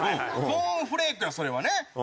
コーンフレークやそれはね。